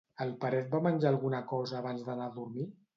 El Peret va menjar alguna cosa abans d'anar a dormir?